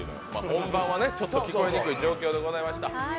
本番はちょっと聞こえにくい状況でございました。